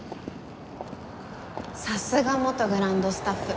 さすが元グランドスタッフ。